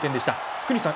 福西さん。